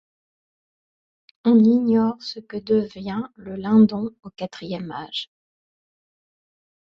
On ignore ce que devient le Lindon au Quatrième Âge.